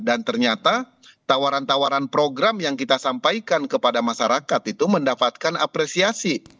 dan ternyata tawaran tawaran program yang kita sampaikan kepada masyarakat itu mendapatkan apresiasi